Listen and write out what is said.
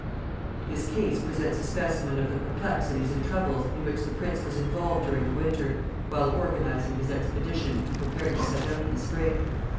This case presents a specimen of the perplexities and troubles in which the prince was involved during the winter, while organizing his expedition and preparing to set out in the spring.